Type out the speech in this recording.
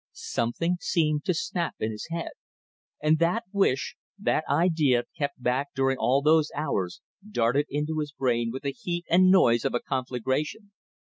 Something seemed to snap in his head, and that wish, that idea kept back during all those hours, darted into his brain with the heat and noise of a conflagration.